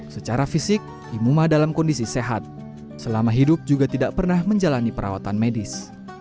secara fisik imumah dalam kondisi sehat selama hidup juga tidak pernah menjalani perawatan medis